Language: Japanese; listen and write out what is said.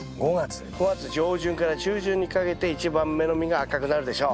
５月上旬から中旬にかけて１番目の実が赤くなるでしょう。